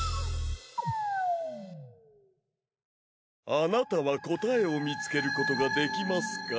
あなたは答えを見つけることができますか？